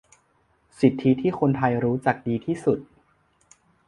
สิทธิที่คนไทยรู้จักดีที่สุด